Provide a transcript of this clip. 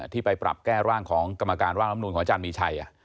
ที่ไปปรับแก้ร่างของกรรมการร่างลำนูนของอาจารย์มีชัย